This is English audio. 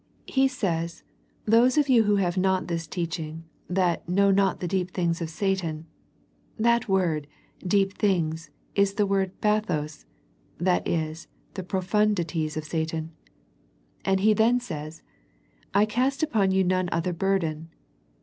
He says, Those of you who have not this teaching, that " know not the deep things of Satan "— that word, " deep things " is the word pdOo^, that is, the profundities of Satan. And He then says, " I cast upon you none other burden."